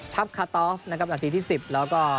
ชัพคาตอฟนาทีที่๑๐แล้วก็